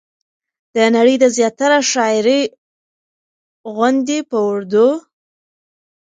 د نړۍ د زياتره شاعرۍ غوندې په اردو